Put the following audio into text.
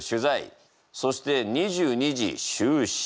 そして２２時就寝。